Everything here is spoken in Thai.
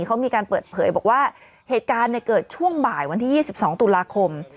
เขามีการเปิดเผยบอกว่าเหตุการณ์เกิดช่วงบ่ายวันที่๒๒ตุลาคม